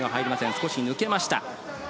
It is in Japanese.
少し抜けました。